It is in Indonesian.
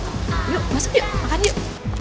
yuk masuk yuk makan yuk